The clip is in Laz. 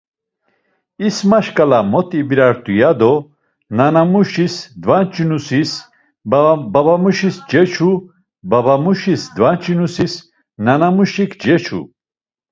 İsma şkala mot ibirat̆u ya do nanamuşis dvanç̌inusis babamuşik ceçu, babamuşis dvanç̌inusis nanamuşik ceçu.